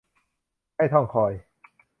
ให้ท้องค่อย